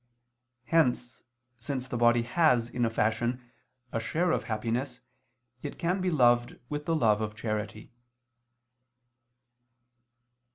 Hence, since the body has, in a fashion, a share of happiness, it can be loved with the love of charity.